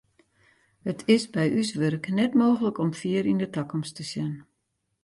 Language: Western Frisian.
It is by ús wurk net mooglik om fier yn de takomst te sjen.